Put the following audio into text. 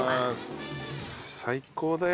最高だよ。